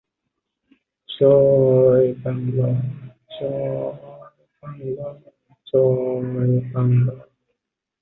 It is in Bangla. উত্তর মহাসাগরে অভিযান ও ঐ অঞ্চলের বিমান পরিবহনে এলাকাটি গুরুত্বপূর্ণ।